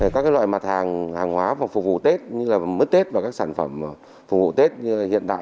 các loại mặt hàng hàng hóa phục vụ tết như là mứt tết và các sản phẩm phục vụ tết như hiện tại